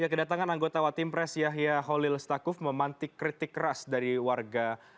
kedatangan anggota watim pres yahya holil stakuf memantik kritik keras dari warga